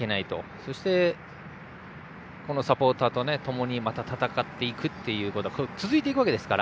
そして、サポーターとともにまた戦っていくということが続いていくわけですから。